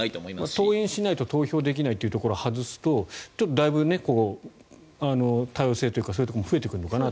登院できないと投票できないというところを外すとだいぶ多様性というかそういうところも増えてくるのかなと。